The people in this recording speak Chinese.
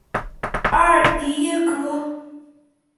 阿尔迪耶格。